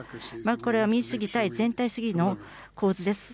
これは民主主義対全体主義の構図です。